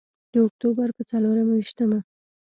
د اکتوبر په څلور ویشتمه.